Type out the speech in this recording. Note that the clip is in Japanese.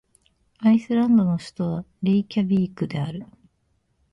アイスランドの首都はレイキャヴィークである